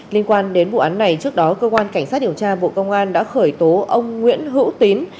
liên quan đến vụ án này trước đó cơ quan cảnh sát điều tra bộ công an đã khởi tố ông nguyễn hữu tín